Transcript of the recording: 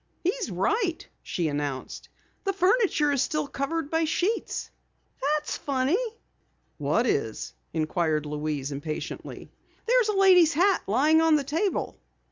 "He's right!" she announced. "The furniture is still covered by sheets! Why, that's funny." "What is?" inquired Louise impatiently. "There's a lady's hat lying on the table!"